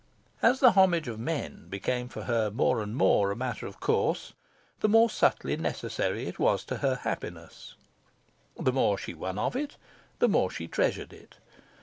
As the homage of men became for her, more and more, a matter of course, the more subtly necessary was it to her happiness. The more she won of it, the more she treasured it.